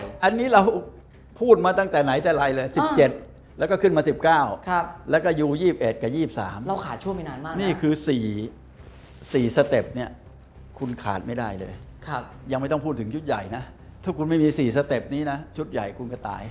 อันนี้เราพูดมาตั้งแต่ไหนแต่ไรเลย๑๗แล้วก็ขึ้นมา๑๙แล้วก็ยู๒๑กับ๒๓เราขาดช่วงไปนานมากนี่คือ๔สเต็ปเนี่ยคุณขาดไม่ได้เลยยังไม่ต้องพูดถึงชุดใหญ่นะถ้าคุณไม่มี๔สเต็ปนี้นะชุดใหญ่คุณก็ตาย